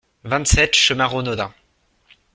vingt-sept chemin Renaudin